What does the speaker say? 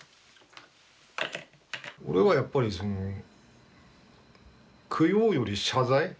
俺はやっぱりその供養より謝罪。